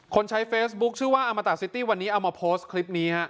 ใช้เฟซบุ๊คชื่อว่าอมตะซิตี้วันนี้เอามาโพสต์คลิปนี้ฮะ